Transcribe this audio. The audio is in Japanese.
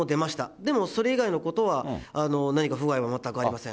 でもそれ以外のことは何か不具合は全くありません。